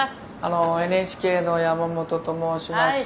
ＮＨＫの山本と申します。